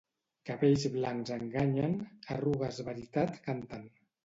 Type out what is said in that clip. Cabells blancs enganyen, arrugues veritat canten.